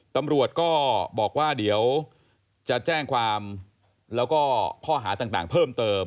ตำรวจก็บอกว่าเดี๋ยวจะแจ้งความแล้วก็ข้อหาต่างเพิ่มเติม